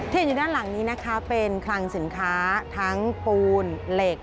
เห็นอยู่ด้านหลังนี้นะคะเป็นคลังสินค้าทั้งปูนเหล็ก